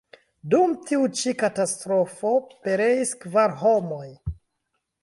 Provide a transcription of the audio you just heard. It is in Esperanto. Dum tiu ĉi katastrofo pereis kvar homoj.